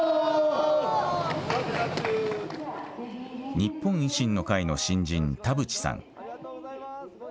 日本維新の会の新人、田淵さん。